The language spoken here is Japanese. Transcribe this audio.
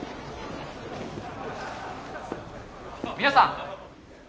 皆さん！